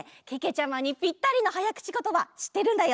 ちゃまにぴったりのはやくちことばしってるんだよ。